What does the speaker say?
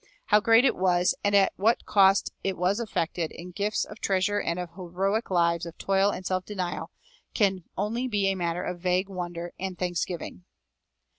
How great it was, and at what cost it was effected in gifts of treasure and of heroic lives of toil and self denial, can only be a matter of vague wonder and thanksgiving.